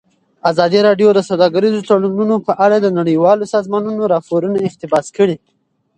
ازادي راډیو د سوداګریز تړونونه په اړه د نړیوالو سازمانونو راپورونه اقتباس کړي.